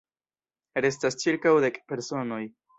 Restas ĉirkaŭ dek personoj.